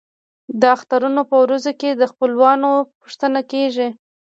د اخترونو په ورځو کې د خپلوانو پوښتنه کیږي.